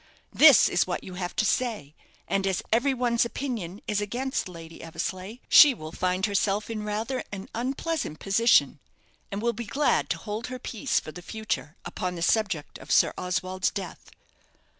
This is what you have to say; and as every one's opinion is against Lady Eversleigh, she will find herself in rather an unpleasant position, and will be glad to hold her peace for the future upon the subject of Sir Oswald's death."